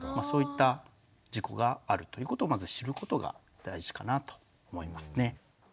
そういった事故があるということをまず知ることが大事かなと思いますね。